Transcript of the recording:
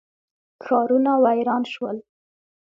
ښارونه ویران شول.